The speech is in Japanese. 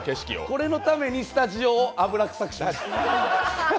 これのためにスタジオを油臭くしました。